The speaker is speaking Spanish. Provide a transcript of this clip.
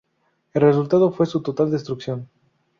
El resultado fue su total destrucción.